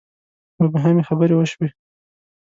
مبهمې خبرې وشوې.